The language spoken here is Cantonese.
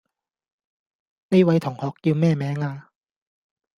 呢位同學叫咩名呀?